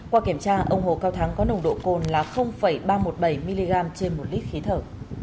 qua kiểm tra ông hồ cao thắng có nồng độ cồn là ba trăm một mươi bảy mg trên một lít khí thở